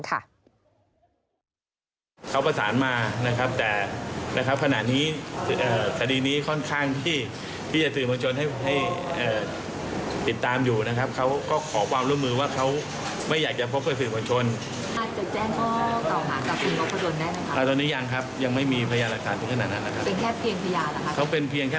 เขาประสานมานะครับแต่ขณะนี้สดีนี้ค่อนข้างที่จะสื่อมงชนให้ติดตามอยู่นะครับ